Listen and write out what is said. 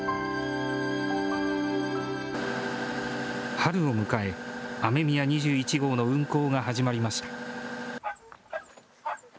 春を迎え、雨宮２１号の運行が始まりました。